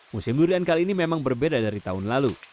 musim durian kali ini memang berbeda dari tahun lalu